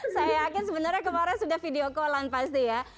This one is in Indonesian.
saya yakin sebenarnya kemarin sudah video callan pasti ya